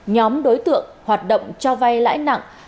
nhóm đối tượng hoạt động cho vay lãi nặng